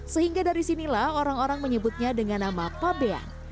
sehingga dari sinilah orang orang menyebutnya dengan nama fabian